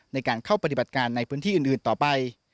ในการเข้าปฏิบัติการในพื้นที่อื่นต่อไป